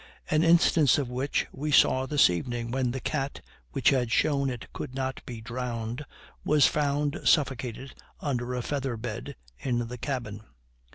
An instance of which we saw this evening, when the cat, which had shown it could not be drowned, was found suffocated under a feather bed in the cabin.